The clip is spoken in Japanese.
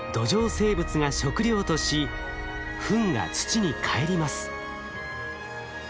生物が食料としふんが土にかえります。